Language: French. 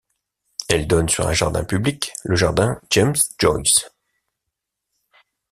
Elle donne sur un jardin public, le jardin James-Joyce.